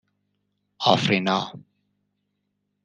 افرینا